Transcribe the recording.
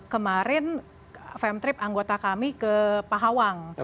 kemarin femtrip anggota kami ke pahawang